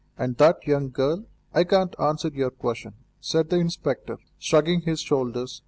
"And that young girl?" "I cannot answer your question," said the inspector, shrugging his shoulders.